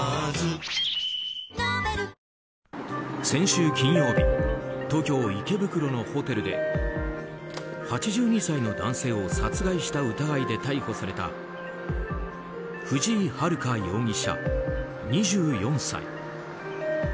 先週金曜日東京・池袋のホテルで８２歳の男性を殺害した疑いで逮捕された藤井遥容疑者、２４歳。